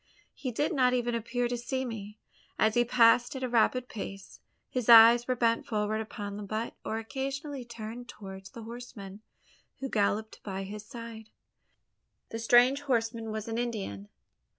He did not even appear to see me! As he passed at a rapid pace, his eyes were bent forward upon the butte, or occasionally turned towards the horseman who galloped by his side. The strange horseman was an Indian.